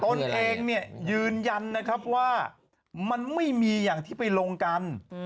ตนเองยืนยันว่ามันไม่มีอย่างที่ไปลงกัน